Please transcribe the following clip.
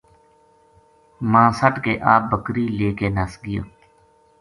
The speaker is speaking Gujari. یوہ کہن لگو میرو باپ منّا لُگا بیابان ما سَٹ کے آپ بکری لے کے نس گیو